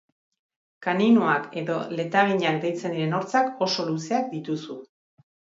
Kaninoak edo letaginak deitzen diren hortzak oso luzeak dituzu.